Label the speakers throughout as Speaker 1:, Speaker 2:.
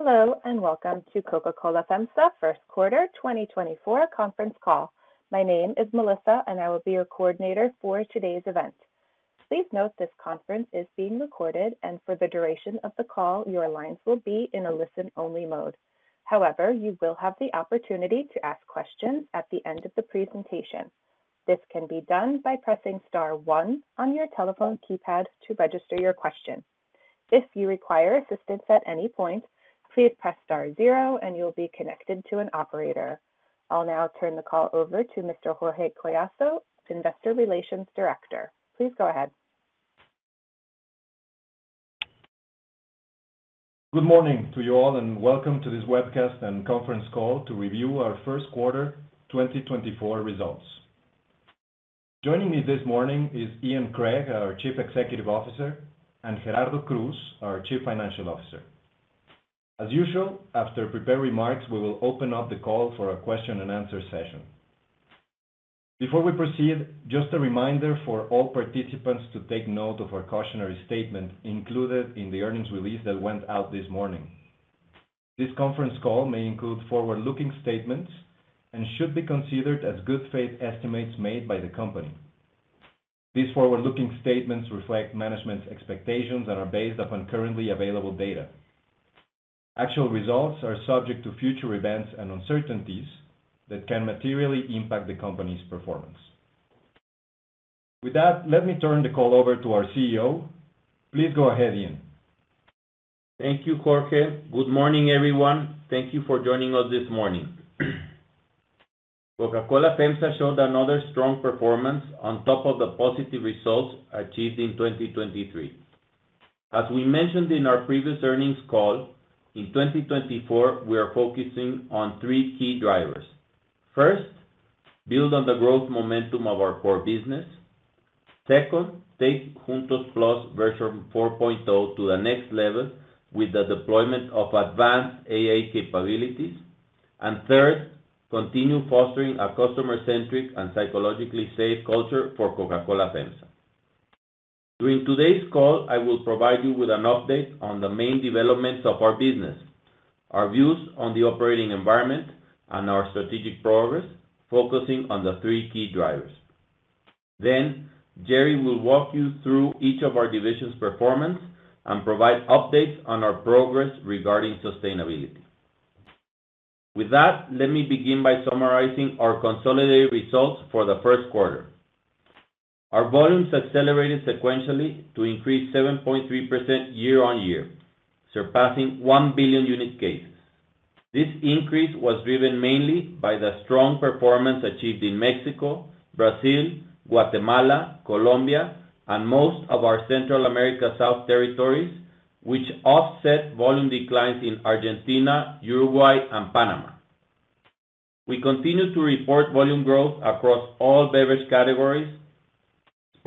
Speaker 1: Hello and welcome to Coca-Cola FEMSA First Quarter 2024 conference call. My name is Melissa, and I will be your coordinator for today's event. Please note this conference is being recorded, and for the duration of the call your lines will be in a listen-only mode. However, you will have the opportunity to ask questions at the end of the presentation. This can be done by pressing star one on your telephone keypad to register your question. If you require assistance at any point, please press star zero and you'll be connected to an operator. I'll now turn the call over to Mr. Jorge Collazo, Investor Relations Director. Please go ahead.
Speaker 2: Good morning to you all, and welcome to this webcast and conference call to review our first quarter 2024 results. Joining me this morning is Ian Craig, our Chief Executive Officer, and Gerardo Cruz, our Chief Financial Officer. As usual, after prepared remarks we will open up the call for a question-and-answer session. Before we proceed, just a reminder for all participants to take note of our cautionary statement included in the earnings release that went out this morning. This conference call may include forward-looking statements and should be considered as good faith estimates made by the company. These forward-looking statements reflect management's expectations and are based upon currently available data. Actual results are subject to future events and uncertainties that can materially impact the company's performance. With that, let me turn the call over to our CEO. Please go ahead, Ian.
Speaker 3: Thank you, Jorge. Good morning, everyone. Thank you for joining us this morning. Coca-Cola FEMSA showed another strong performance on top of the positive results achieved in 2023. As we mentioned in our previous earnings call, in 2024 we are focusing on three key drivers. First, build on the growth momentum of our core business. Second, take Juntos+ version 4.0 to the next level with the deployment of advanced AI capabilities. And third, continue fostering a customer-centric and psychologically safe culture for Coca-Cola FEMSA. During today's call I will provide you with an update on the main developments of our business, our views on the operating environment, and our strategic progress focusing on the three key drivers. Then Jerry will walk you through each of our division's performance and provide updates on our progress regarding sustainability. With that, let me begin by summarizing our consolidated results for the first quarter. Our volumes accelerated sequentially to increase 7.3% year-on-year, surpassing 1 billion unit cases. This increase was driven mainly by the strong performance achieved in Mexico, Brazil, Guatemala, Colombia, and most of our Central America South territories, which offset volume declines in Argentina, Uruguay, and Panama. We continue to report volume growth across all beverage categories.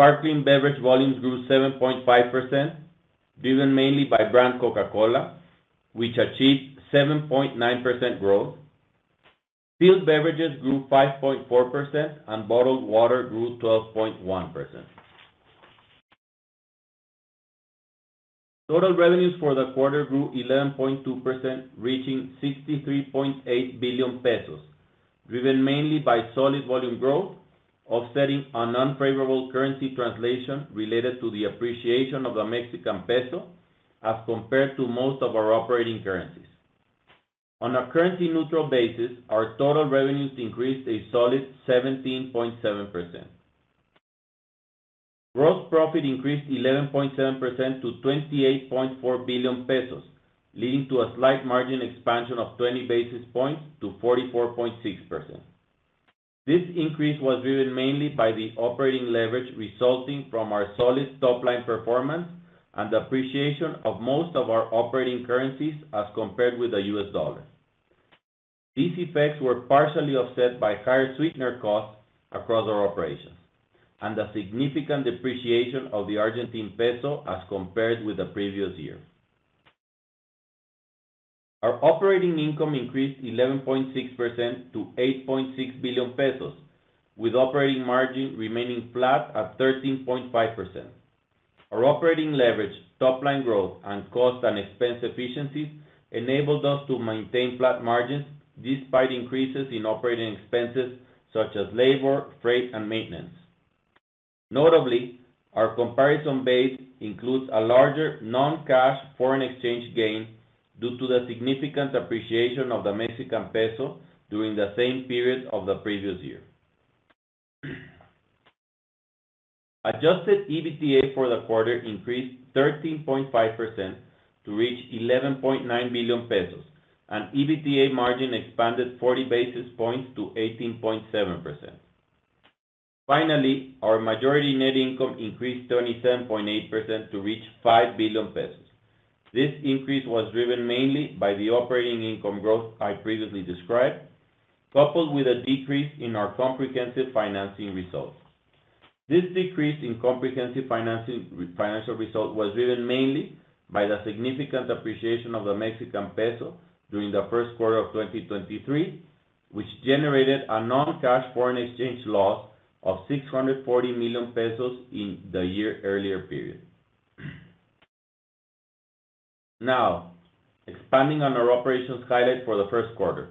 Speaker 3: Sparkling beverage volumes grew 7.5%, driven mainly by brand Coca-Cola, which achieved 7.9% growth. Still beverages grew 5.4% and bottled water grew 12.1%. Total revenues for the quarter grew 11.2%, reaching 63.8 billion pesos, driven mainly by solid volume growth, offsetting an unfavorable currency translation related to the appreciation of the Mexican peso as compared to most of our operating currencies. On a currency-neutral basis, our total revenues increased a solid 17.7%. Gross profit increased 11.7% to 28.4 billion pesos, leading to a slight margin expansion of 20 basis points to 44.6%. This increase was driven mainly by the operating leverage resulting from our solid top-line performance and the appreciation of most of our operating currencies as compared with the U.S. dollar. These effects were partially offset by higher sweetener costs across our operations and the significant depreciation of the Argentine peso as compared with the previous year. Our operating income increased 11.6% to 8.6 billion pesos, with operating margin remaining flat at 13.5%. Our operating leverage, top-line growth, and cost and expense efficiencies enabled us to maintain flat margins despite increases in operating expenses such as labor, freight, and maintenance. Notably, our comparison base includes a larger non-cash foreign exchange gain due to the significant appreciation of the Mexican peso during the same period of the previous year. Adjusted EBITDA for the quarter increased 13.5% to reach 11.9 billion pesos, and EBITDA margin expanded 40 basis points to 18.7%. Finally, our majority net income increased 27.8% to reach 5 billion pesos. This increase was driven mainly by the operating income growth I previously described, coupled with a decrease in our comprehensive financing results. This decrease in comprehensive financial result was driven mainly by the significant appreciation of the Mexican peso during the first quarter of 2023, which generated a non-cash foreign exchange loss of 640 million pesos in the year earlier period. Now, expanding on our operations highlight for the first quarter.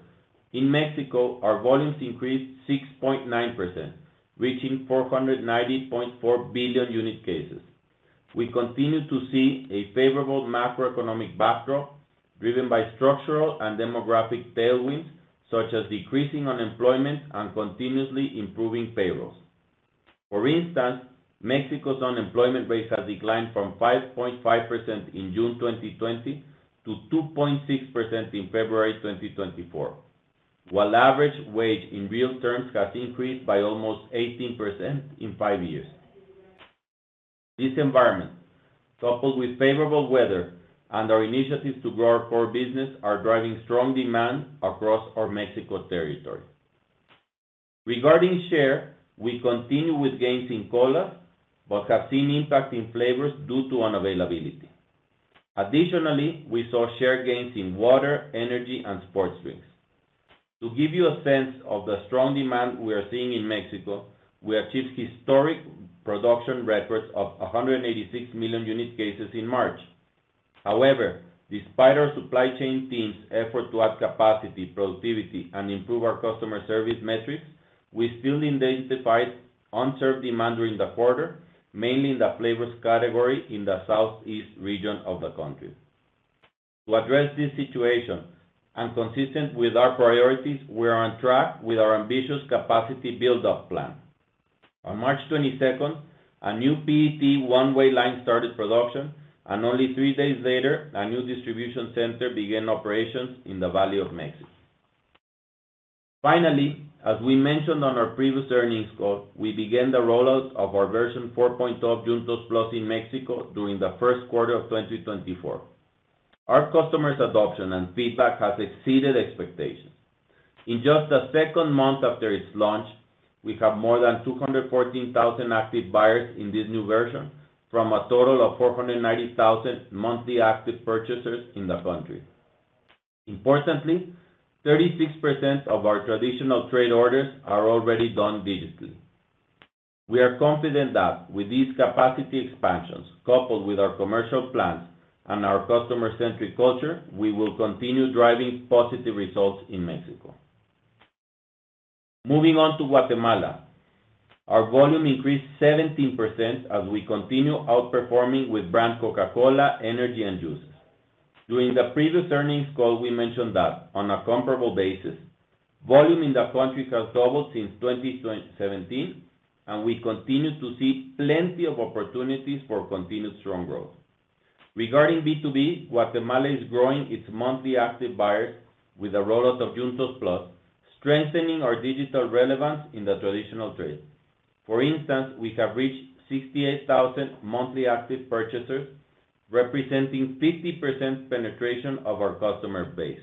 Speaker 3: In Mexico, our volumes increased 6.9%, reaching 490.4 billion unit cases. We continue to see a favorable macroeconomic backdrop driven by structural and demographic tailwinds such as decreasing unemployment and continuously improving payrolls. For instance, Mexico's unemployment rate has declined from 5.5% in June 2020 to 2.6% in February 2024, while average wage in real terms has increased by almost 18% in five years. This environment, coupled with favorable weather and our initiatives to grow our core business, are driving strong demand across our Mexico territory. Regarding share, we continue with gains in colas but have seen impact in flavors due to unavailability. Additionally, we saw shared gains in water, energy, and sports drinks. To give you a sense of the strong demand we are seeing in Mexico, we achieved historic production records of 186 million unit cases in March. However, despite our supply chain team's effort to add capacity, productivity, and improve our customer service metrics, we still identified unserved demand during the quarter, mainly in the flavors category in the southeast region of the country. To address this situation and consistent with our priorities, we are on track with our ambitious capacity buildup plan. On March 22nd, a new PET one-way line started production, and only three days later a new distribution center began operations in the Valley of Mexico. Finally, as we mentioned on our previous earnings call, we began the rollout of our version 4.0 Juntos+ in Mexico during the first quarter of 2024. Our customers' adoption and feedback have exceeded expectations. In just the second month after its launch, we have more than 214,000 active buyers in this new version from a total of 490,000 monthly active purchasers in the country. Importantly, 36% of our traditional trade orders are already done digitally. We are confident that, with these capacity expansions coupled with our commercial plans and our customer-centric culture, we will continue driving positive results in Mexico. Moving on to Guatemala, our volume increased 17% as we continue outperforming with brand Coca-Cola, energy, and juices. During the previous earnings call we mentioned that, on a comparable basis, volume in the country has doubled since 2017, and we continue to see plenty of opportunities for continued strong growth. Regarding B2B, Guatemala is growing its monthly active buyers with the rollout of Juntos+, strengthening our digital relevance in the traditional trade. For instance, we have reached 68,000 monthly active purchasers, representing 50% penetration of our customer base.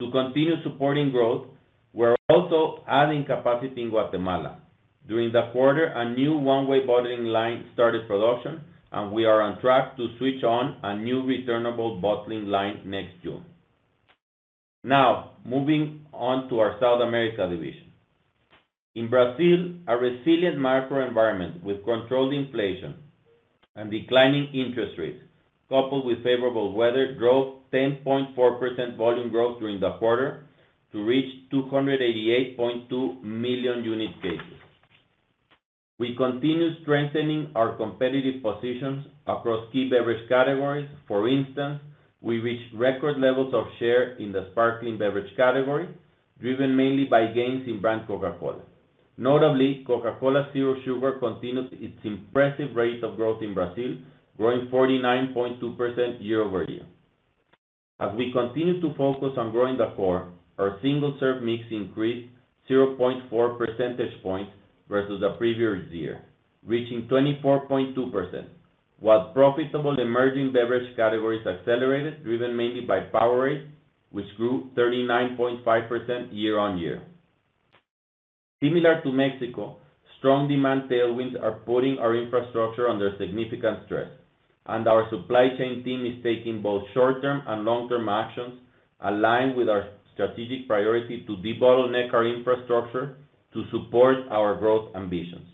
Speaker 3: To continue supporting growth, we are also adding capacity in Guatemala. During the quarter, a new one-way bottling line started production, and we are on track to switch on a new returnable bottling line next June. Now, moving on to our South America division. In Brazil, a resilient macroenvironment with controlled inflation and declining interest rates coupled with favorable weather drove 10.4% volume growth during the quarter to reach 288.2 million unit cases. We continue strengthening our competitive positions across key beverage categories. For instance, we reached record levels of share in the sparkling beverage category, driven mainly by gains in brand Coca-Cola. Notably, Coca-Cola Zero Sugar continued its impressive rate of growth in Brazil, growing 49.2% year-over-year. As we continue to focus on growing the core, our single-serve mix increased 0.4 percentage points versus the previous year, reaching 24.2%, while profitable emerging beverage categories accelerated, driven mainly by Powerade, which grew 39.5% year-over-year. Similar to Mexico, strong demand tailwinds are putting our infrastructure under significant stress, and our supply chain team is taking both short-term and long-term actions aligned with our strategic priority to de-bottleneck our infrastructure to support our growth ambitions.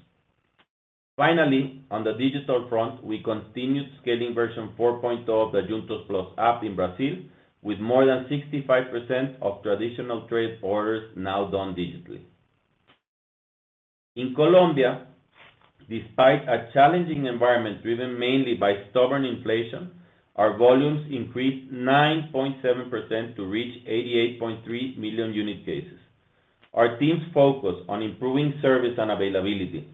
Speaker 3: Finally, on the digital front, we continued scaling version 4.0 of the Juntos+ app in Brazil, with more than 65% of traditional trade orders now done digitally. In Colombia, despite a challenging environment driven mainly by stubborn inflation, our volumes increased 9.7% to reach 88.3 million unit cases. Our team's focus on improving service and availability,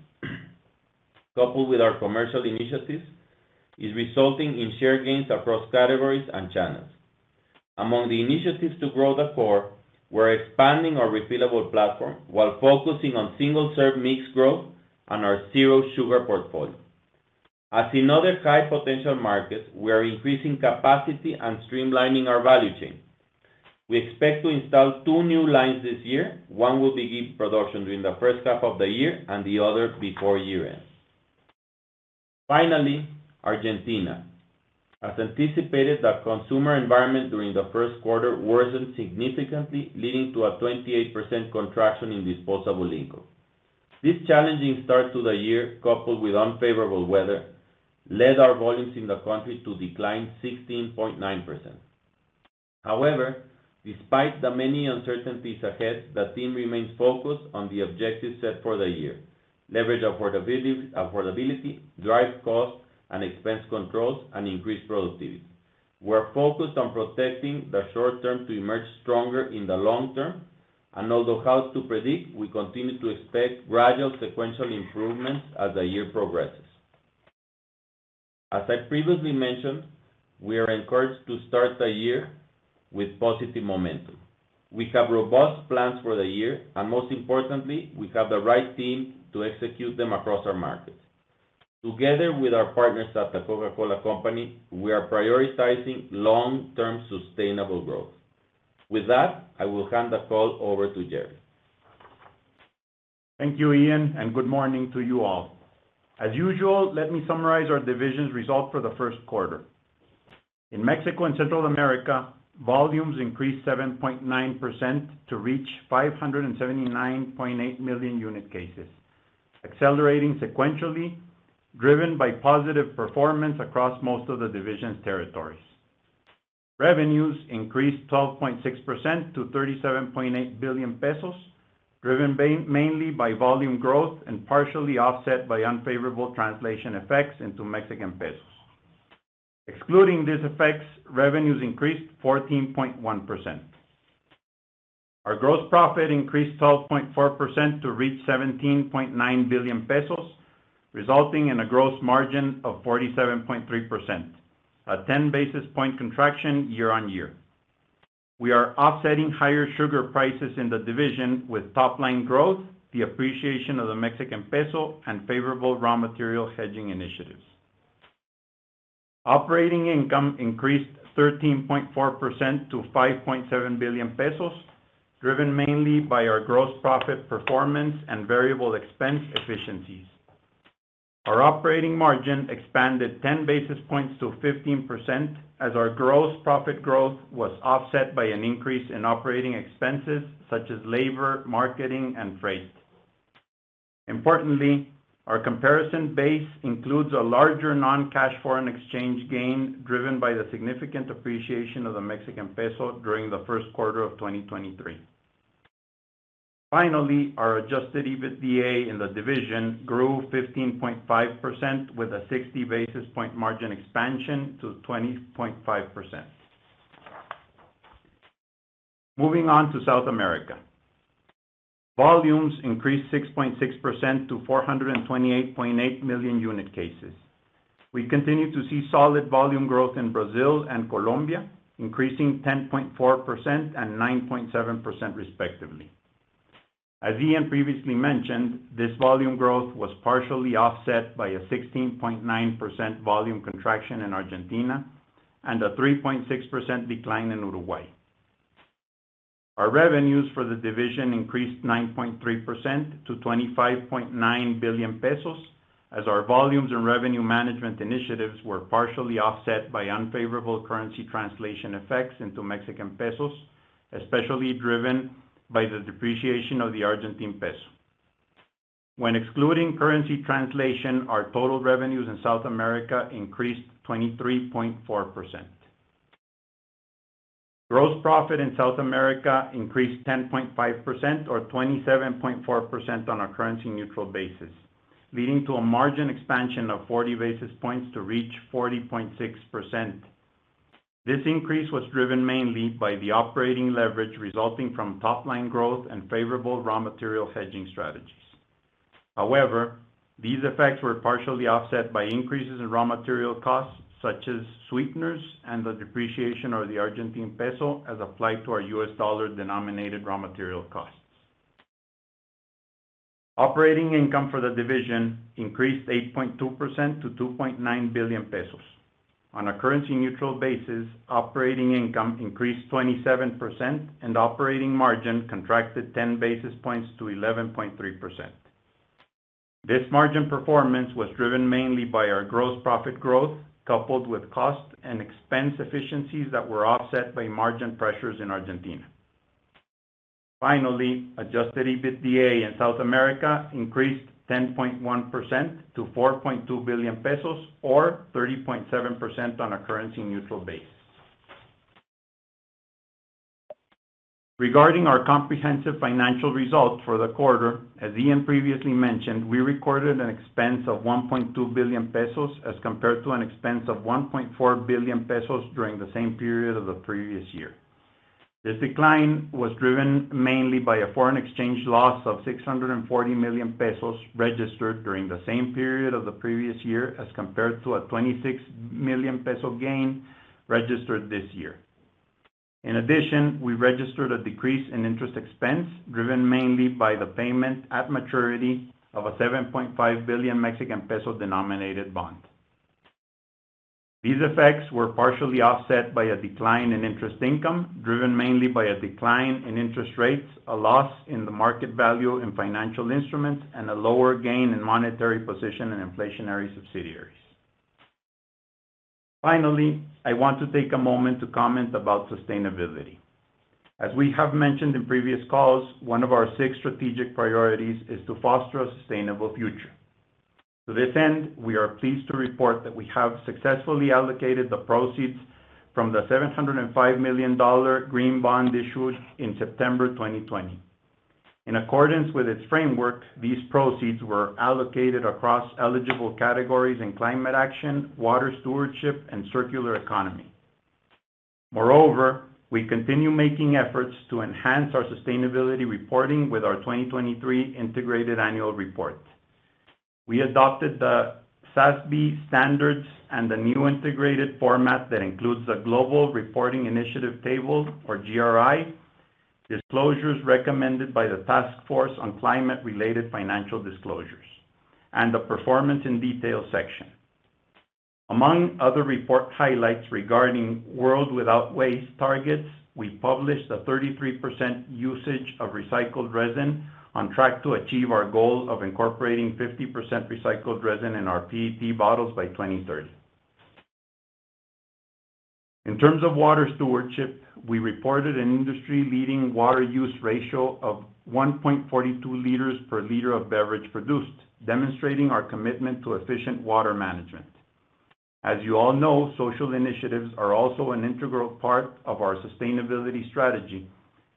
Speaker 3: coupled with our commercial initiatives, is resulting in share gains across categories and channels. Among the initiatives to grow the core, we're expanding our refillable platform while focusing on single-serve mix growth and our zero-sugar portfolio. As in other high-potential markets, we are increasing capacity and streamlining our value chain. We expect to install two new lines this year. One will begin production during the first half of the year and the other before year-end. Finally, Argentina. As anticipated, the consumer environment during the first quarter worsened significantly, leading to a 28% contraction in disposable income. This challenging start to the year, coupled with unfavorable weather, led our volumes in the country to decline 16.9%. However, despite the many uncertainties ahead, the team remains focused on the objectives set for the year: leverage affordability, drive cost and expense controls, and increase productivity. We're focused on protecting the short-term to emerge stronger in the long-term, and although hard to predict, we continue to expect gradual, sequential improvements as the year progresses. As I previously mentioned, we are encouraged to start the year with positive momentum. We have robust plans for the year, and most importantly, we have the right team to execute them across our markets. Together with our partners at the Coca-Cola Company, we are prioritizing long-term sustainable growth. With that, I will hand the call over to Jerry.
Speaker 4: Thank you, Ian, and good morning to you all. As usual, let me summarize our division's result for the first quarter. In Mexico and Central America, volumes increased 7.9% to reach 579.8 million unit cases, accelerating sequentially, driven by positive performance across most of the division's territories. Revenues increased 12.6% to 37.8 billion pesos, driven mainly by volume growth and partially offset by unfavorable translation effects into Mexican pesos. Excluding these effects, revenues increased 14.1%. Our gross profit increased 12.4% to reach 17.9 billion pesos, resulting in a gross margin of 47.3%, a 10 basis point contraction year-over-year. We are offsetting higher sugar prices in the division with top-line growth, the appreciation of the Mexican peso, and favorable raw material hedging initiatives. Operating income increased 13.4% to 5.7 billion pesos, driven mainly by our gross profit performance and variable expense efficiencies. Our operating margin expanded 10 basis points to 15% as our gross profit growth was offset by an increase in operating expenses such as labor, marketing, and freight. Importantly, our comparison base includes a larger non-cash foreign exchange gain driven by the significant appreciation of the Mexican peso during the first quarter of 2023. Finally, our adjusted EBITDA in the division grew 15.5% with a 60 basis point margin expansion to 20.5%. Moving on to South America. Volumes increased 6.6% to 428.8 million unit cases. We continue to see solid volume growth in Brazil and Colombia, increasing 10.4% and 9.7% respectively. As Ian previously mentioned, this volume growth was partially offset by a 16.9% volume contraction in Argentina and a 3.6% decline in Uruguay. Our revenues for the division increased 9.3% to 25.9 billion pesos as our volumes and revenue management initiatives were partially offset by unfavorable currency translation effects into Mexican pesos, especially driven by the depreciation of the Argentine peso. When excluding currency translation, our total revenues in South America increased 23.4%. Gross profit in South America increased 10.5% or 27.4% on a currency-neutral basis, leading to a margin expansion of 40 basis points to reach 40.6%. This increase was driven mainly by the operating leverage resulting from top-line growth and favorable raw material hedging strategies. However, these effects were partially offset by increases in raw material costs such as sweeteners and the depreciation of the Argentine peso as applied to our U.S. dollar-denominated raw material costs. Operating income for the division increased 8.2% to 2.9 billion pesos. On a currency-neutral basis, operating income increased 27% and operating margin contracted 10 basis points to 11.3%. This margin performance was driven mainly by our gross profit growth coupled with cost and expense efficiencies that were offset by margin pressures in Argentina. Finally, adjusted EBITDA in South America increased 10.1% to 4.2 billion pesos or 30.7% on a currency-neutral basis. Regarding our comprehensive financial result for the quarter, as Ian previously mentioned, we recorded an expense of 1.2 billion pesos as compared to an expense of 1.4 billion pesos during the same period of the previous year. This decline was driven mainly by a foreign exchange loss of 640 million pesos registered during the same period of the previous year as compared to a 26 million peso gain registered this year. In addition, we registered a decrease in interest expense driven mainly by the payment at maturity of a 7.5 billion Mexican peso denominated bond. These effects were partially offset by a decline in interest income driven mainly by a decline in interest rates, a loss in the market value in financial instruments, and a lower gain in monetary position in inflationary subsidiaries. Finally, I want to take a moment to comment about sustainability. As we have mentioned in previous calls, one of our six strategic priorities is to foster a sustainable future. To this end, we are pleased to report that we have successfully allocated the proceeds from the $705 million green bond issued in September 2020. In accordance with its framework, these proceeds were allocated across eligible categories in climate action, water stewardship, and circular economy. Moreover, we continue making efforts to enhance our sustainability reporting with our 2023 Integrated Annual Report. We adopted the SASB standards and the new integrated format that includes the Global Reporting Initiative Table, or GRI, disclosures recommended by the Task Force on Climate-Related Financial Disclosures, and the Performance in Detail section. Among other report highlights regarding World Without Waste targets, we published a 33% usage of recycled resin on track to achieve our goal of incorporating 50% recycled resin in our PET bottles by 2030. In terms of water stewardship, we reported an industry-leading water use ratio of 1.42 L per L of beverage produced, demonstrating our commitment to efficient water management. As you all know, social initiatives are also an integral part of our sustainability strategy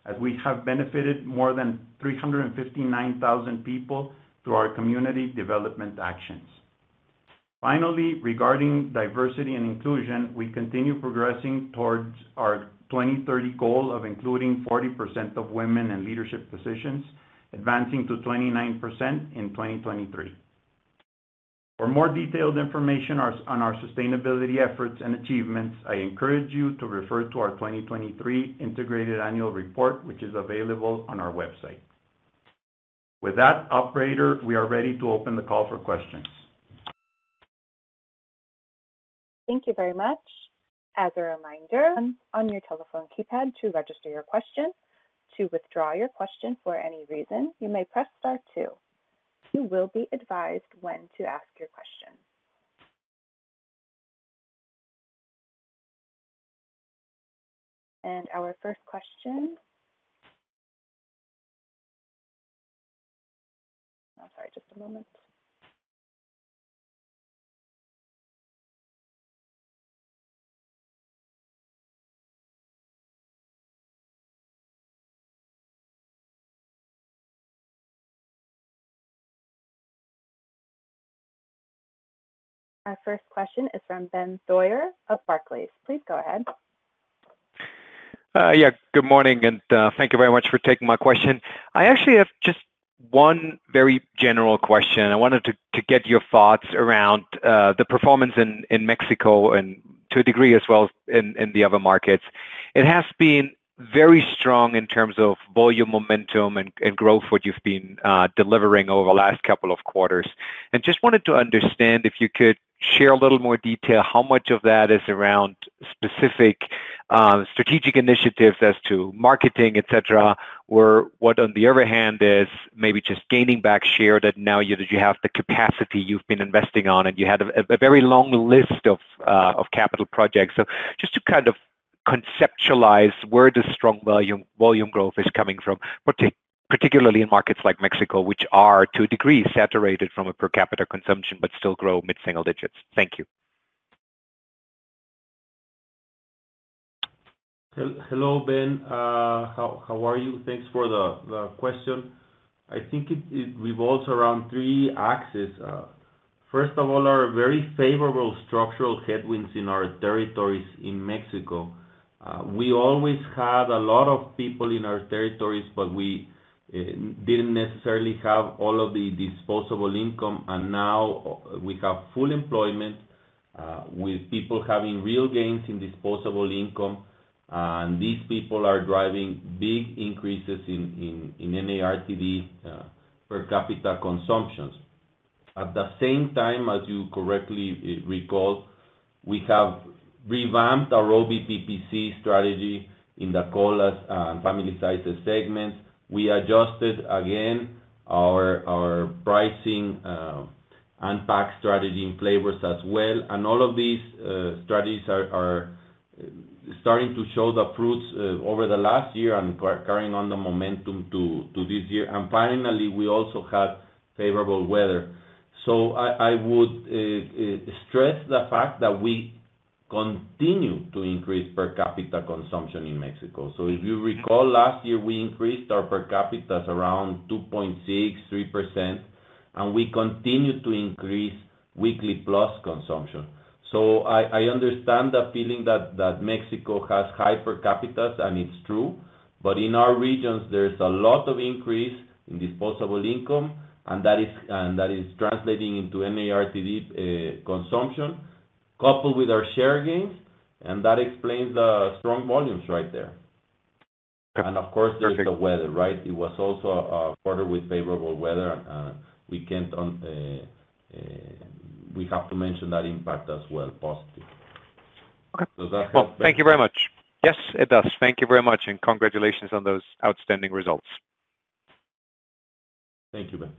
Speaker 4: as we have benefited more than 359,000 people through our community development actions. Finally, regarding diversity and inclusion, we continue progressing towards our 2030 goal of including 40% of women in leadership positions, advancing to 29% in 2023. For more detailed information on our sustainability efforts and achievements, I encourage you to refer to our 2023 Integrated Annual Report, which is available on our website. With that, operator, we are ready to open the call for questions.
Speaker 1: Thank you very much. As a reminder, on your telephone keypad to register your question, to withdraw your question for any reason, you may press star two. You will be advised when to ask your question. And our first question, I'm sorry, just a moment. Our first question is from Ben Theurer of Barclays. Please go ahead.
Speaker 5: Yeah, good morning, and thank you very much for taking my question. I actually have just one very general question. I wanted to get your thoughts around the performance in Mexico and to a degree as well in the other markets. It has been very strong in terms of volume momentum and growth, what you've been delivering over the last couple of quarters. Just wanted to understand if you could share a little more detail, how much of that is around specific strategic initiatives as to marketing, etc., or what, on the other hand, is maybe just gaining back share that now you have the capacity you've been investing on, and you had a very long list of capital projects. Just to kind of conceptualize where the strong volume growth is coming from, particularly in markets like Mexico, which are, to a degree, saturated from a per capita consumption but still grow mid-single digits. Thank you.
Speaker 3: Hello, Ben. How are you? Thanks for the question. I think it revolves around three axes. First of all, our very favorable structural headwinds in our territories in Mexico. We always had a lot of people in our territories, but we didn't necessarily have all of the disposable income, and now we have full employment with people having real gains in disposable income, and these people are driving big increases in NARTD per capita consumptions. At the same time, as you correctly recall, we have revamped our OBPPC strategy in the colas and family-sized segments. We adjusted, again, our pricing and pack strategy in flavors as well, and all of these strategies are starting to show the fruits over the last year and carrying on the momentum to this year. And finally, we also had favorable weather. So I would stress the fact that we continue to increase per capita consumption in Mexico. So if you recall, last year we increased our per capitas around 2.6%-3%, and we continue to increase weekly plus consumption. So I understand the feeling that Mexico has high per capitas, and it's true, but in our regions, there's a lot of increase in disposable income, and that is translating into NARTD consumption coupled with our share gains, and that explains the strong volumes right there. And of course, there's the weather, right? It was also a quarter with favorable weather, and we have to mention that impact as well, positive. So that helps.
Speaker 5: Well, thank you very much. Yes, it does. Thank you very much, and congratulations on those outstanding results.
Speaker 3: Thank you, Ben.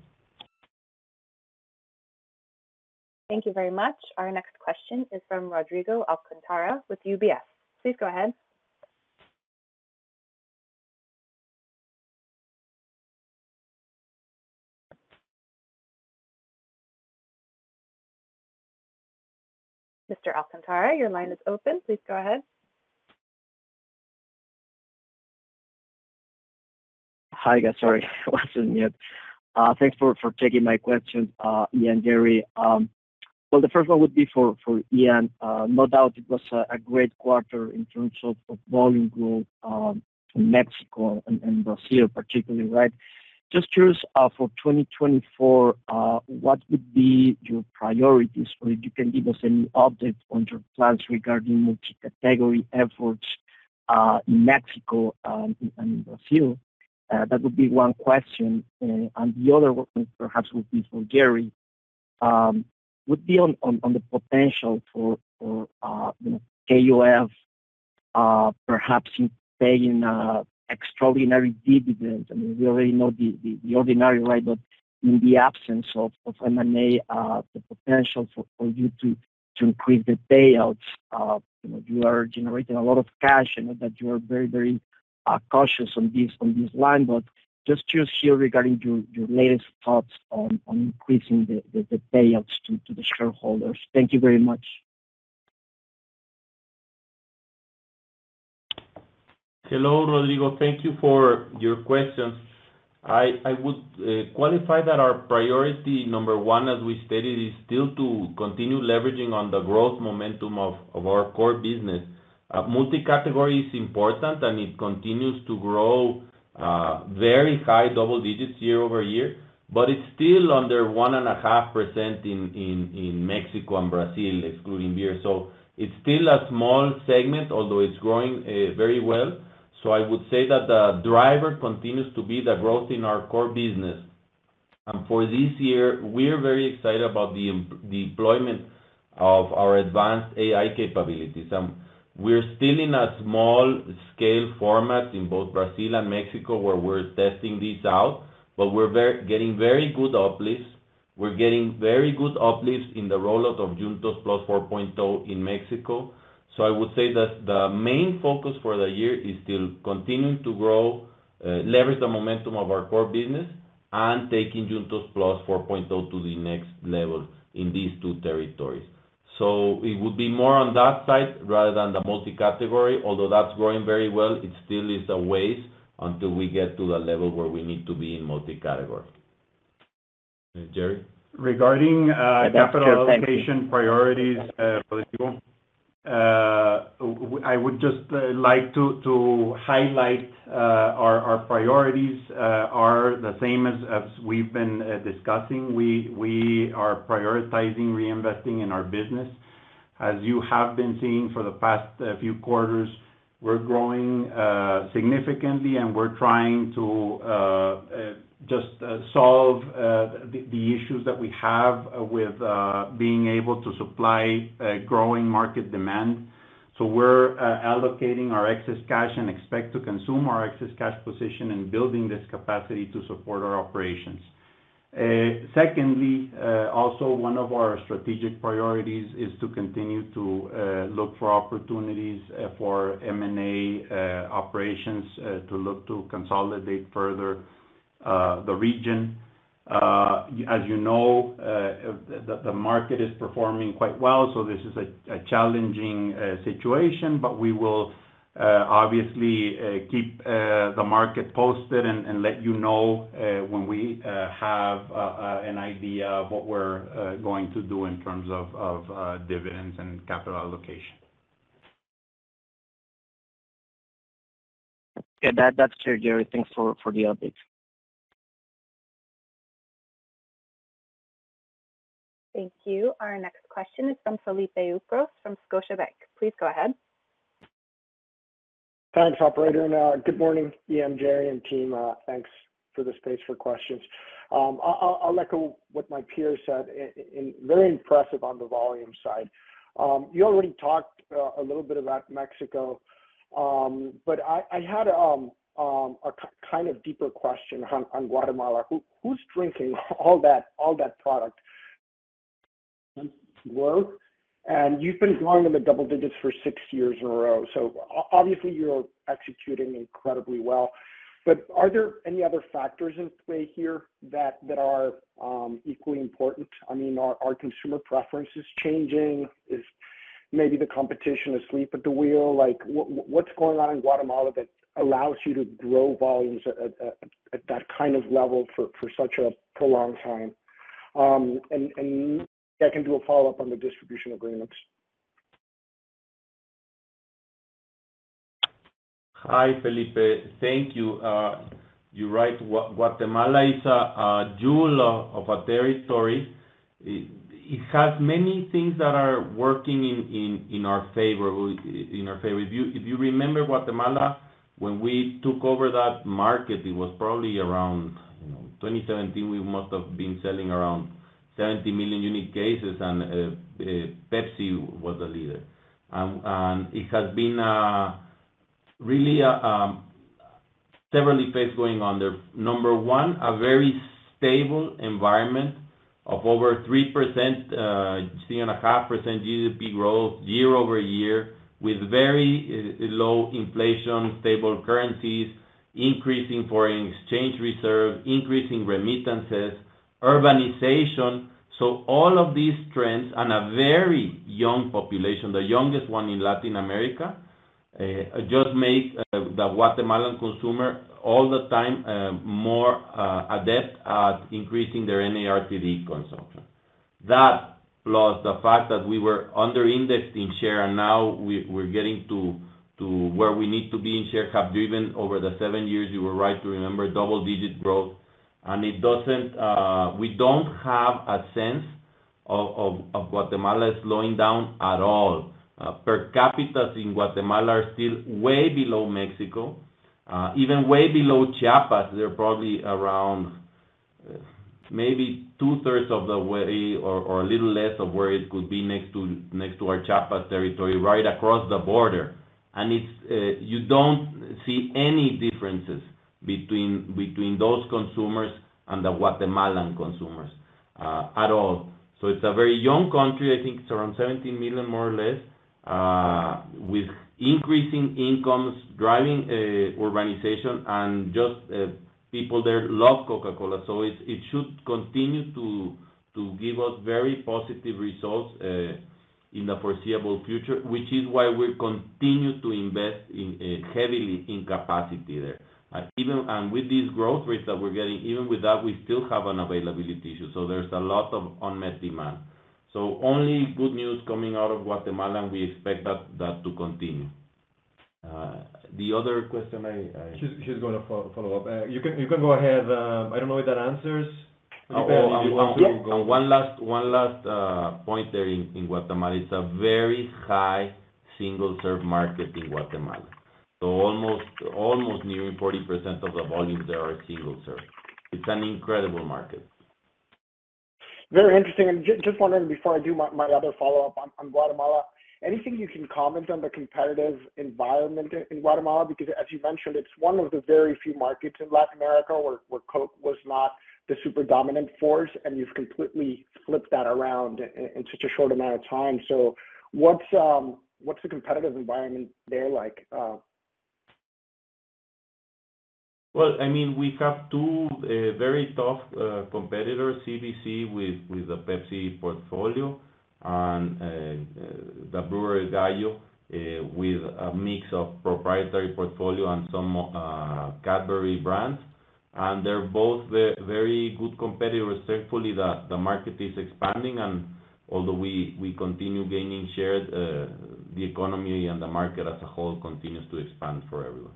Speaker 1: Thank you very much. Our next question is from Rodrigo Alcantara with UBS. Please go ahead. Mr. Alcantara, your line is open. Please go ahead.
Speaker 6: Hi, guys. Sorry, it wasn't mute. Thanks for taking my questions, Ian and Jerry. Well, the first one would be for Ian. No doubt it was a great quarter in terms of volume growth in Mexico and Brazil, particularly, right? Just curious, for 2024, what would be your priorities, or if you can give us any updates on your plans regarding multicategory efforts in Mexico and in Brazil? That would be one question. And the other one, perhaps, would be for Jerry, would be on the potential for KOF, perhaps paying extraordinary dividends. I mean, we already know the ordinary, right? But in the absence of M&A, the potential for you to increase the payouts, you are generating a lot of cash, and that you are very, very cautious on this line. But just curious here regarding your latest thoughts on increasing the payouts to the shareholders. Thank you very much.
Speaker 3: Hello, Rodrigo. Thank you for your questions. I would qualify that our priority number one, as we stated, is still to continue leveraging on the growth momentum of our core business. Multicategory is important, and it continues to grow very high double digits year-over-year, but it's still under 1.5% in Mexico and Brazil, excluding beer. So it's still a small segment, although it's growing very well. So I would say that the driver continues to be the growth in our core business. And for this year, we're very excited about the deployment of our advanced AI capabilities. And we're still in a small-scale format in both Brazil and Mexico where we're testing these out, but we're getting very good uplifts. We're getting very good uplifts in the rollout of Juntos+ 4.0 in Mexico. So I would say that the main focus for the year is still continuing to leverage the momentum of our core business and taking Juntos+ 4.0 to the next level in these two territories. So it would be more on that side rather than the multicategory. Although that's growing very well, it still is a ways until we get to the level where we need to be in multicategory. Jerry?
Speaker 4: Regarding capital allocation priorities for the people, I would just like to highlight our priorities are the same as we've been discussing. We are prioritizing reinvesting in our business. As you have been seeing for the past few quarters, we're growing significantly, and we're trying to just solve the issues that we have with being able to supply growing market demand. So we're allocating our excess cash and expect to consume our excess cash position and building this capacity to support our operations. Secondly, also, one of our strategic priorities is to continue to look for opportunities for M&A operations to look to consolidate further the region. As you know, the market is performing quite well, so this is a challenging situation, but we will obviously keep the market posted and let you know when we have an idea of what we're going to do in terms of dividends and capital allocation.
Speaker 6: Yeah, that's clear, Jerry. Thanks for the update.
Speaker 1: Thank you. Our next question is from Felipe Ucros from Scotiabank. Please go ahead.
Speaker 7: Thanks, operator. Good morning, Ian, Jerry, and team. Thanks for the space for questions. I'll echo what my peers said. Very impressive on the volume side. You already talked a little bit about Mexico, but I had a kind of deeper question on Guatemala. Who's drinking all that product? And you've been growing in the double digits for six years in a row. So obviously, you're executing incredibly well. But are there any other factors in play here that are equally important? I mean, are consumer preferences changing? Is maybe the competition asleep at the wheel? What's going on in Guatemala that allows you to grow volumes at that kind of level for such a prolonged time? And I can do a follow-up on the distribution agreements.
Speaker 3: Hi, Felipe. Thank you. You're right. Guatemala is a jewel of a territory. It has many things that are working in our favor. If you remember Guatemala, when we took over that market, it was probably around 2017. We must have been selling around 70 million unit cases, and Pepsi was the leader. It has been really several phases going on there. Number one, a very stable environment of over 3%-3.5% GDP growth year-over-year with very low inflation, stable currencies, increasing foreign exchange reserve, increasing remittances, urbanization. So all of these trends and a very young population, the youngest one in Latin America, just make the Guatemalan consumer all the time more adept at increasing their NARTD consumption. That, plus the fact that we were underindexed in share, and now we're getting to where we need to be in share gap-driven over the seven years, you were right to remember, double-digit growth. We don't have a sense of Guatemala slowing down at all. Per capita in Guatemala, we're still way below Mexico, even way below Chiapas. They're probably around maybe two-thirds of the way or a little less of where it could be next to our Chiapas territory, right across the border. You don't see any differences between those consumers and the Guatemalan consumers at all. So it's a very young country. I think it's around 17 million, more or less, with increasing incomes, driving urbanization, and just people there love Coca-Cola. So it should continue to give us very positive results in the foreseeable future, which is why we continue to invest heavily in capacity there. And with these growth rates that we're getting, even with that, we still have an availability issue. So there's a lot of unmet demand. So only good news coming out of Guatemala, and we expect that to continue.
Speaker 4: The other question. She's going to follow up.
Speaker 3: You can go ahead. I don't know if that answers your question.
Speaker 4: Oh, on one last point there in Guatemala. It's a very high single-serve market in Guatemala. So almost nearing 40% of the volumes there are single-serve. It's an incredible market.
Speaker 7: Very interesting. And just wondering, before I do my other follow-up on Guatemala, anything you can comment on the competitive environment in Guatemala? Because, as you mentioned, it's one of the very few markets in Latin America where Coke was not the super dominant force, and you've completely flipped that around in such a short amount of time. So what's the competitive environment there like?
Speaker 3: Well, I mean, we have two very tough competitors, CBC with the Pepsi portfolio and the Cervecería Centro Americana, with a mix of proprietary portfolio and some Cadbury brands. And they're both very good competitors. Thankfully, the market is expanding, and although we continue gaining share, the economy and the market as a whole continues to expand for everyone.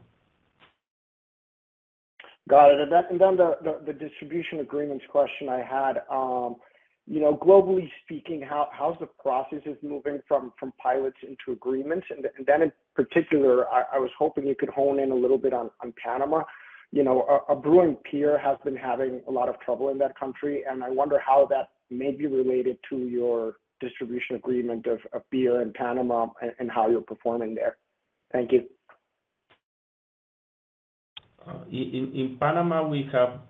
Speaker 7: Got it. And then the distribution agreements question I had. Globally speaking, how's the process moving from pilots into agreements? And then, in particular, I was hoping you could hone in a little bit on Panama. A brewing peer has been having a lot of trouble in that country, and I wonder how that may be related to your distribution agreement of beer in Panama and how you're performing there. Thank you.
Speaker 3: In Panama, we have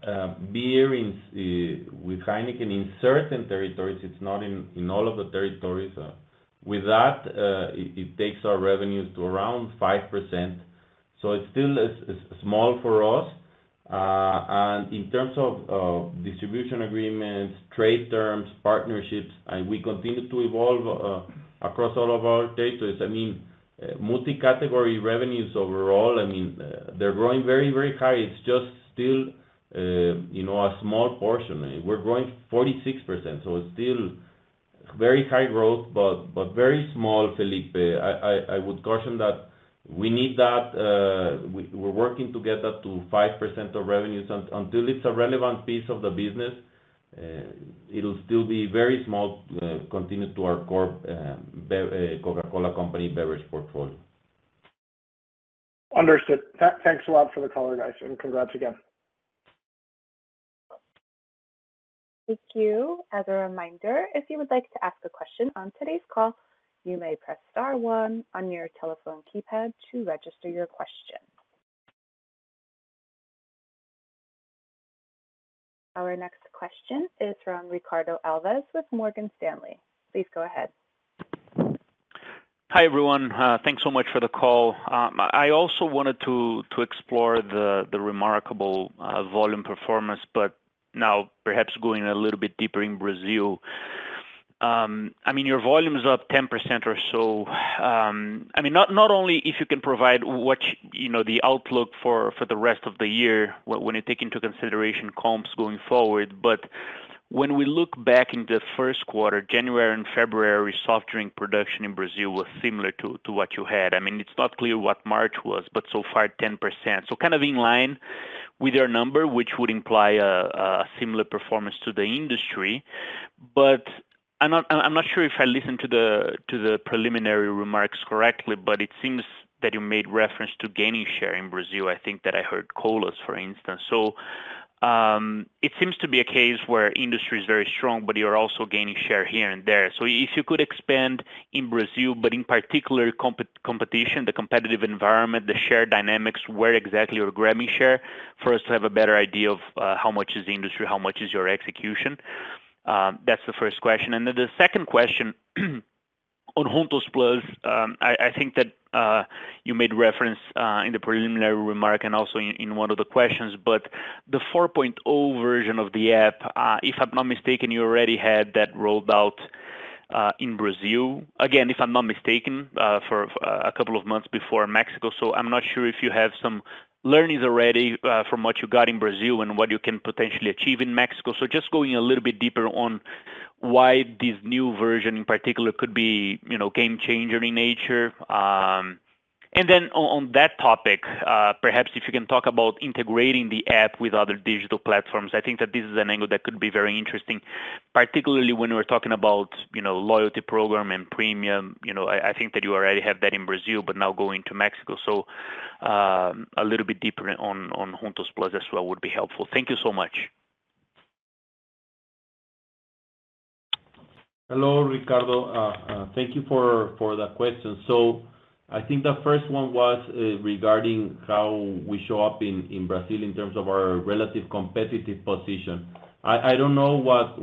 Speaker 3: beer with Heineken in certain territories. It's not in all of the territories. With that, it takes our revenues to around 5%. So it's still small for us. And in terms of distribution agreements, trade terms, partnerships, we continue to evolve across all of our territories. I mean, multicategory revenues overall, I mean, they're growing very, very high. It's just still a small portion. We're growing 46%. So it's still very high growth, but very small, Felipe. I would caution that we need that. We're working to get that to 5% of revenues. Until it's a relevant piece of the business, it'll still be very small, continue to our core Coca-Cola company beverage portfolio.
Speaker 7: Understood. Thanks a lot for the call, guys, and congrats again.
Speaker 1: Thank you. As a reminder, if you would like to ask a question on today's call, you may press star one on your telephone keypad to register your question. Our next question is from Ricardo Alves with Morgan Stanley. Please go ahead.
Speaker 8: Hi, everyone. Thanks so much for the call. I also wanted to explore the remarkable volume performance, but now perhaps going a little bit deeper in Brazil. I mean, your volume is up 10% or so. I mean, not only if you can provide the outlook for the rest of the year when you take into consideration comps going forward, but when we look back in the first quarter, January and February, soft drink production in Brazil was similar to what you had. I mean, it's not clear what March was, but so far, 10%. So kind of in line with your number, which would imply a similar performance to the industry. But I'm not sure if I listened to the preliminary remarks correctly, but it seems that you made reference to gaining share in Brazil. I think that I heard colas, for instance. So it seems to be a case where industry is very strong, but you're also gaining share here and there. So if you could expand in Brazil, but in particular, competition, the competitive environment, the share dynamics, where exactly you're grabbing share for us to have a better idea of how much is the industry, how much is your execution. That's the first question. And then the second question on Juntos+, I think that you made reference in the preliminary remark and also in one of the questions. But the 4.0 version of the app, if I'm not mistaken, you already had that rolled out in Brazil. Again, if I'm not mistaken, for a couple of months before Mexico. So I'm not sure if you have some learnings already from what you got in Brazil and what you can potentially achieve in Mexico. So just going a little bit deeper on why this new version, in particular, could be game-changer in nature. And then on that topic, perhaps if you can talk about integrating the app with other digital platforms. I think that this is an angle that could be very interesting, particularly when we're talking about loyalty program and premium. I think that you already have that in Brazil, but now going to Mexico. So a little bit deeper on Juntos+ as well would be helpful. Thank you so much.
Speaker 3: Hello, Ricardo. Thank you for that question. So I think the first one was regarding how we show up in Brazil in terms of our relative competitive position. I don't know what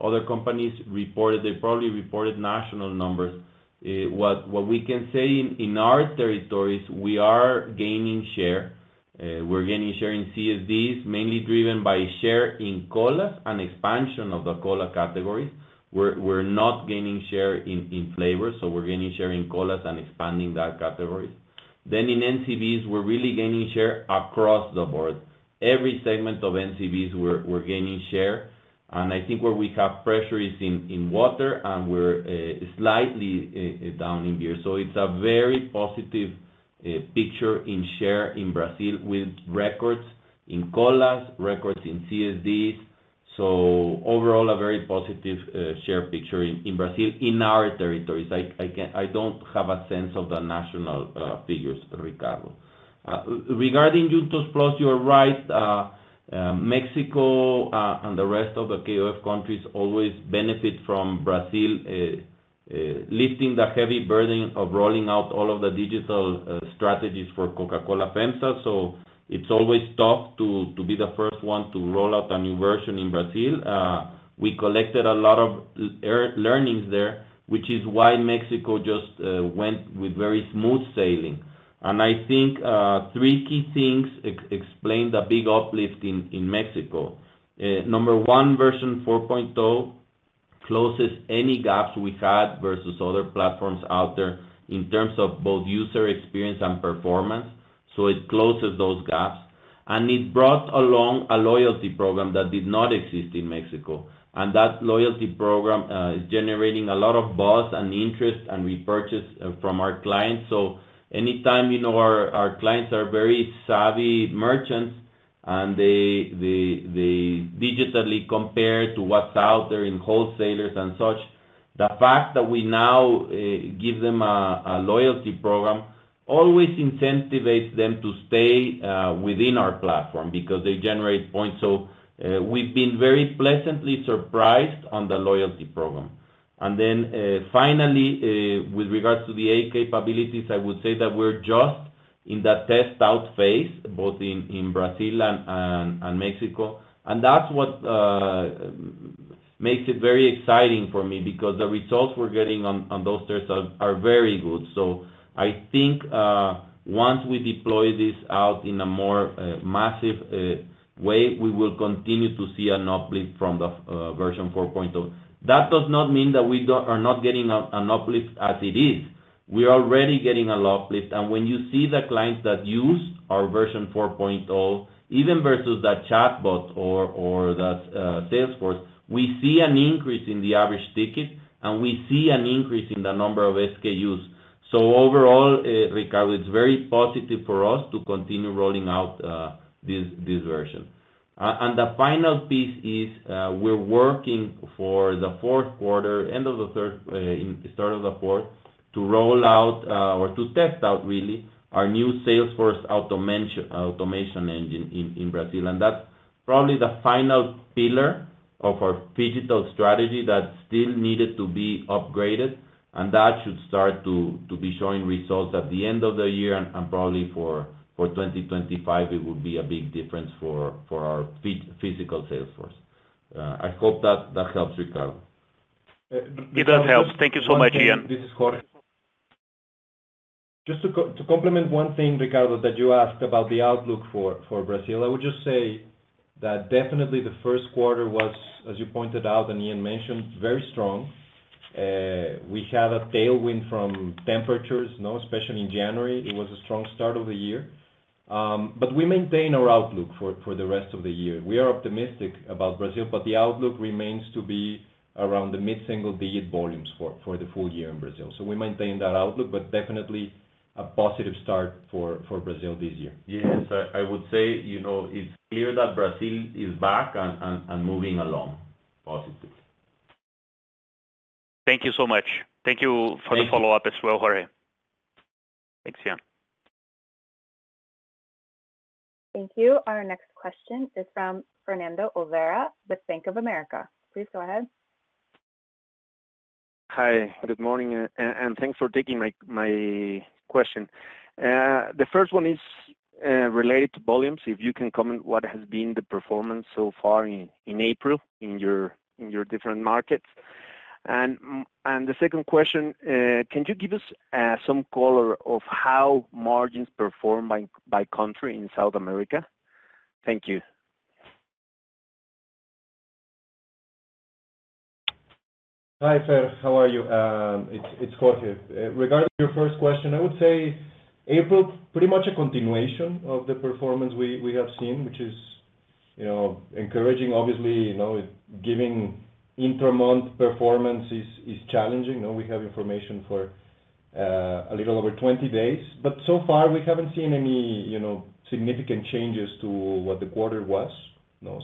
Speaker 3: other companies reported. They probably reported national numbers. What we can say in our territories, we are gaining share. We're gaining share in CSDs, mainly driven by share in colas and expansion of the cola categories. We're not gaining share in flavors, so we're gaining share in colas and expanding that category. Then in NCBs, we're really gaining share across the board. Every segment of NCBs, we're gaining share. And I think where we have pressure is in water, and we're slightly down in beer. So it's a very positive picture in share in Brazil with records in colas, records in CSDs. So overall, a very positive share picture in Brazil in our territories. I don't have a sense of the national figures, Ricardo. Regarding Juntos+, you're right. Mexico and the rest of the KOF countries always benefit from Brazil lifting the heavy burden of rolling out all of the digital strategies for Coca-Cola FEMSA. So it's always tough to be the first one to roll out a new version in Brazil. We collected a lot of learnings there, which is why Mexico just went with very smooth sailing. And I think three key things explain the big uplift in Mexico. Number one, version 4.0 closes any gaps we had versus other platforms out there in terms of both user experience and performance. So it closes those gaps. And it brought along a loyalty program that did not exist in Mexico. And that loyalty program is generating a lot of buzz and interest and repurchase from our clients. So anytime our clients are very savvy merchants, and they digitally compare to what's out there in wholesalers and such, the fact that we now give them a loyalty program always incentivizes them to stay within our platform because they generate points. So we've been very pleasantly surprised on the loyalty program. And then finally, with regards to the A capabilities, I would say that we're just in the test-out phase, both in Brazil and Mexico. That's what makes it very exciting for me because the results we're getting on those tests are very good. I think once we deploy this out in a more massive way, we will continue to see an uplift from version 4.0. That does not mean that we are not getting an uplift as it is. We're already getting a lot of lift. When you see the clients that use our version 4.0, even versus the chatbot or the Salesforce, we see an increase in the average ticket, and we see an increase in the number of SKUs. Overall, Ricardo, it's very positive for us to continue rolling out this version. The final piece is we're working for the fourth quarter, end of the third, start of the fourth, to roll out or to test out, really, our new Salesforce automation engine in Brazil. And that's probably the final pillar of our digital strategy that still needed to be upgraded. And that should start to be showing results at the end of the year. And probably for 2025, it would be a big difference for our physical sales force. I hope that helps, Ricardo.
Speaker 8: It does help. Thank you so much, Ian.
Speaker 2: This is Jorge. Just to complement one thing, Ricardo, that you asked about the outlook for Brazil, I would just say that definitely the first quarter was, as you pointed out and Ian mentioned, very strong. We had a tailwind from temperatures, especially in January. It was a strong start of the year. But we maintain our outlook for the rest of the year. We are optimistic about Brazil, but the outlook remains to be around the mid-single-digit volumes for the full year in Brazil. So we maintain that outlook, but definitely a positive start for Brazil this year. Yes. I would say it's clear that Brazil is back and moving along positively. Thank you so much.
Speaker 3: Thank you for the follow-up as well, Jorge.
Speaker 2: Thanks, Ian.
Speaker 1: Thank you. Our next question is from Fernando Olvera with Bank of America. Please go ahead.
Speaker 9: Hi. Good morning. And thanks for taking my question. The first one is related to volumes. If you can comment what has been the performance so far in April in your different markets. And the second question, can you give us some color of how margins perform by country in South America? Thank you.
Speaker 2: Hi, Fer. How are you? It's Jorge. Regarding your first question, I would say April, pretty much a continuation of the performance we have seen, which is encouraging. Obviously, giving inter-month performance is challenging. We have information for a little over 20 days. But so far, we haven't seen any significant changes to what the quarter was.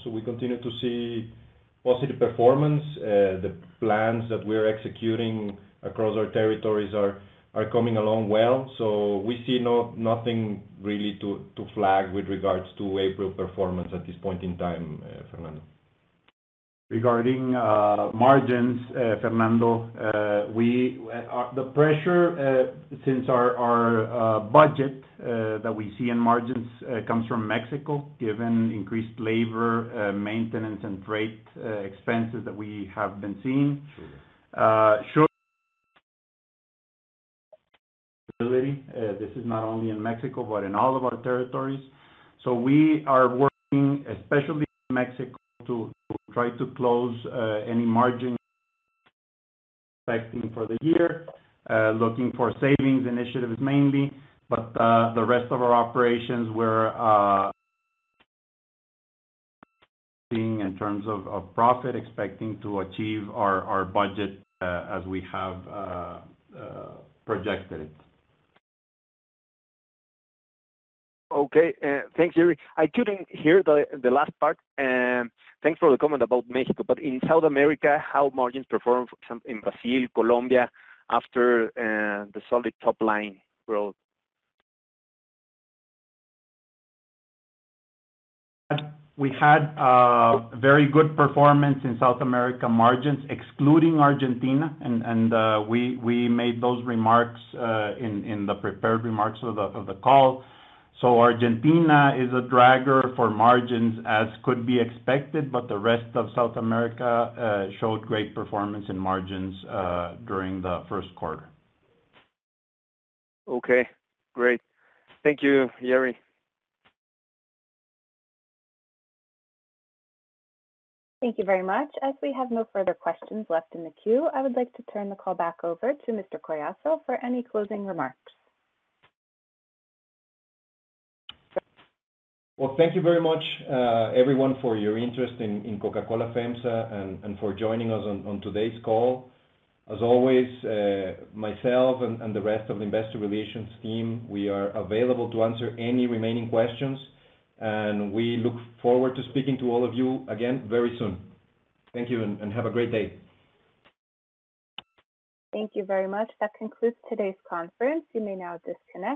Speaker 2: So we continue to see positive performance. The plans that we're executing across our territories are coming along well. So we see nothing really to flag with regards to April performance at this point in time, Fernando.
Speaker 4: Regarding margins, Fernando, the pressure since our budget that we see in margins comes from Mexico, given increased labor, maintenance, and freight expenses that we have been seeing. Sure. This is not only in Mexico, but in all of our territories. So we are working, especially in Mexico, to try to close any margin expecting for the year, looking for savings initiatives mainly. But the rest of our operations, we're seeing in terms of profit, expecting to achieve our budget as we have projected it.
Speaker 9: Okay. Thanks, Jerry. I couldn't hear the last part. Thanks for the comment about Mexico. But in South America, how margins perform in Brazil, Colombia, after the solid top-line growth?
Speaker 4: We had very good performance in South America margins, excluding Argentina. And we made those remarks in the prepared remarks of the call. So Argentina is a dragger for margins as could be expected, but the rest of South America showed great performance in margins during the first quarter.
Speaker 9: Okay. Great. Thank you, Jerry. Thank you very much.
Speaker 1: As we have no further questions left in the queue, I would like to turn the call back over to Mr. Collazo for any closing remarks.
Speaker 2: Well, thank you very much, everyone, for your interest in Coca-Cola FEMSA and for joining us on today's call. As always, myself and the rest of the investor relations team, we are available to answer any remaining questions. We look forward to speaking to all of you, again, very soon. Thank you and have a great day.
Speaker 1: Thank you very much. That concludes today's conference. You may now disconnect.